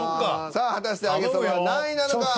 さあ果たして揚げそばは何位なのか？